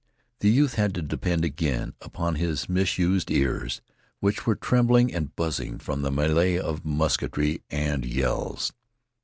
The youth had to depend again upon his misused ears, which were trembling and buzzing from the melée of musketry and yells.